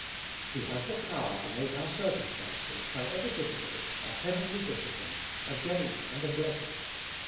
He has the power to make our circumstances, however difficult, a heavenly discipline, a gain and a blessing.